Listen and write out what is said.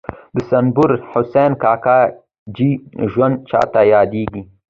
د صنوبر حسین کاکاجي ژوند چاته یادېږي.